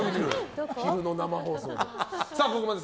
昼の生放送で。